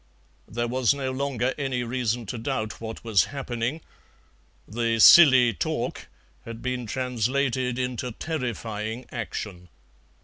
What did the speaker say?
There was no longer any room to doubt what was happening. The "silly talk" had been translated into terrifying action.